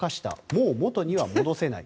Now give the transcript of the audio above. もう元には戻せない。